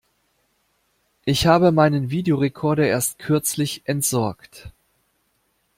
Ich habe meinen Videorecorder erst kürzlich entsorgt.